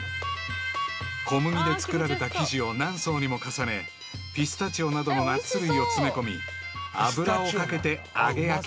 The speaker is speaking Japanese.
［小麦で作られた生地を何層にも重ねピスタチオなどのナッツ類を詰め込み油をかけて揚げ焼き］